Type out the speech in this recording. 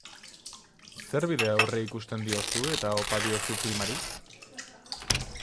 Zer bide aurreikusten diozu eta opa diozu filmari?